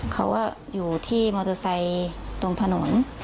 เขาก็อยู่ที่มอเตอร์ไซค์ตรงถนน